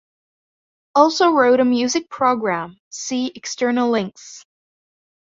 Also wrote a music program, see External links.